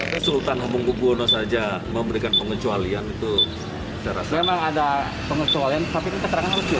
memang ada pengesualian tapi keterangan harus jelas